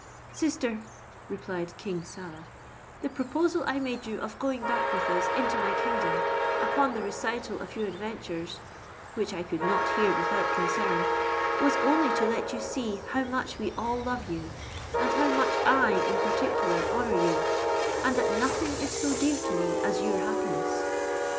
"Sister," replied King Saleh, "the proposal I made you of going back with us into my kingdom, upon the recital of your adventures (which I could not hear without concern), was only to let you see how much we all love you, and how much I in particular honour you, and that nothing is so dear to me as your happiness.